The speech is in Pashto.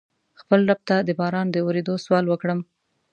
خپل رب ته د باران د ورېدو سوال وکړم.